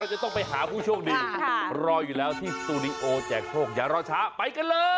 จะต้องไปหาผู้โชคดีรออยู่แล้วที่สตูดิโอแจกโชคอย่ารอช้าไปกันเลย